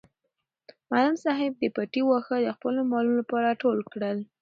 معلم صاحب د پټي واښه د خپلو مالونو لپاره ټول کړل.